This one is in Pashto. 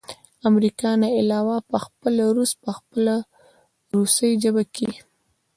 د امريکې نه علاوه پخپله روس په خپله روسۍ ژبه کښې